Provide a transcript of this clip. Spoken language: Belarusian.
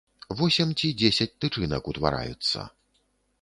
Восем ці дзесяць тычынак утвараюцца.